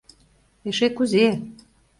— Эше кузе!